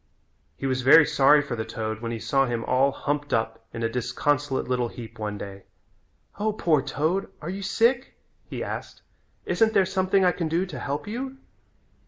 He was very sorry for the toad when he saw him all humped up in a disconsolate little heap one day. "O, poor toad, are you sick?" he asked. "Isn't there something I can do to help you?"